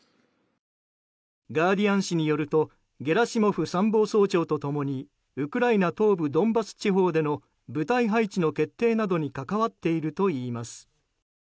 ガーディアン紙によるとゲラシモフ参謀総長と共にウクライナ東部ドンバス地方での部隊配置の決定などに関わっているといいます。